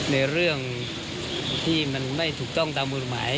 ในเรื่องที่มันไม่ถูกต้องตามกฎหมาย